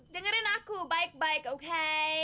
dengerin aku baik baik oke